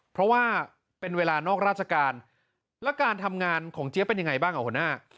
เพราะว่าเป็นเวลานอกราชการแล้วการทำงานของเจี๊ยบเป็นยังไงบ้างอ่ะหัวหน้า